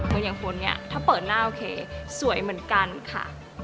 เพราะอย่างคนนี้ถ้าเปิดหน้าโอเคสวยเหมือนกันค่ะ